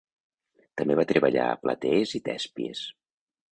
També va treballar a Platees i Tèspies.